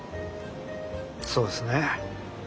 そうですね。